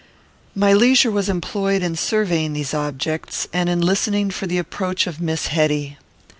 My leisure was employed in surveying these objects, and in listening for the approach of Miss Hetty.